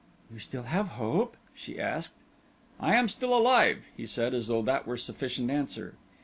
"You still have hope?" she asked. "I am still alive," he said as though that were sufficient answer.